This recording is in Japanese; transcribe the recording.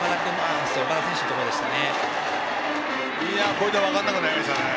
これで分からなくなりました。